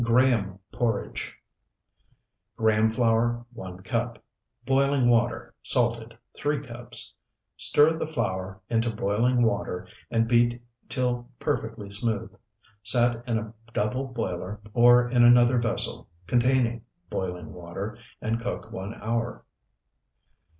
GRAHAM PORRIDGE Graham flour, 1 cup. Boiling water, salted, 3 cups. Stir the flour into boiling water and beat till perfectly smooth; set in a double boiler, or in another vessel containing boiling water, and cook one hour.